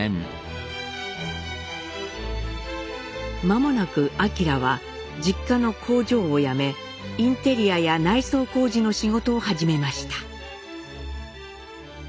間もなく晃は実家の工場を辞めインテリアや内装工事の仕事を始めました。